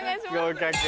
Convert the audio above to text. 合格。